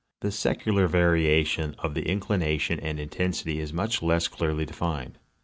The secular variation of the inclination and intensity is much less clearly defined.